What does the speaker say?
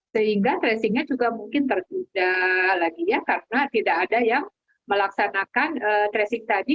sehingga tracingnya juga mungkin tertunda lagi ya karena tidak ada yang melaksanakan tracing tadi